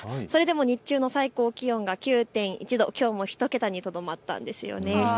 それでも日中の最高気温が９．１度、きょうも１桁にとどまったんです。